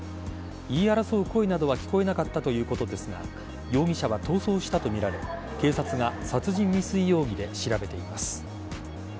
言い争う声などは聞こえなかったということですが容疑者は逃走したとみられ警察が殺人未遂容疑で調べています。